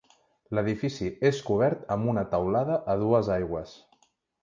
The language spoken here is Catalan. L'edifici és cobert amb una teulada a dues aigües.